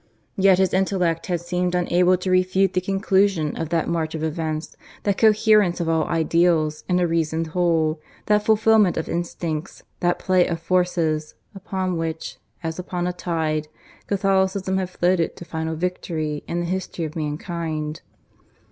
Yet his intellect had seemed unable to refute the conclusion of that march of events, that coherence of all ideals in a reasoned whole, that fulfilment of instincts, that play of forces, upon which, as upon a tide, Catholicism had floated to final victory in the history of mankind.